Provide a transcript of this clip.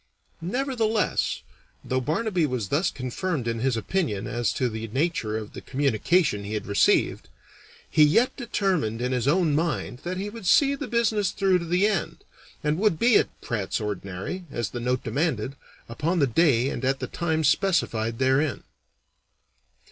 Nevertheless, though Barnaby was thus confirmed in his opinion as to the nature of the communication he had received, he yet determined in his own mind that he would see the business through to the end, and would be at Pratt's Ordinary, as the note demanded, upon the day and at the time specified therein.